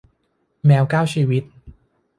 แมวเก้าชีวิต